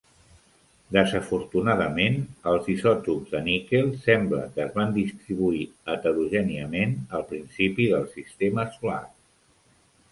Desafortunadament, els isòtops de níquel sembla que es van distribuir heterogèniament al principi del sistema solar.